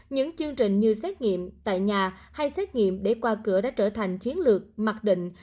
những chương trình như xét nghiệm tại nhà hay xét nghiệm để qua cửa đã trở thành chiến lược mặc định